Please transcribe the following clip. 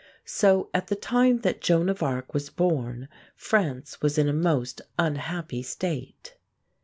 So at the time that Joan of Arc was born France was in a most unhappy state.